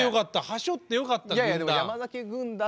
はしょってよかった軍団。